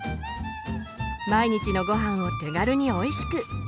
毎日のごはんを手軽においしく！